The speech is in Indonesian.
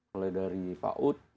mulai dari faud